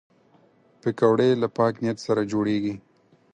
پکورې له پاک نیت سره جوړېږي